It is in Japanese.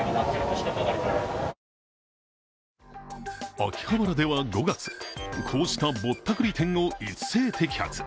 秋葉原では５月、こうしたぼったくり店を一斉摘発。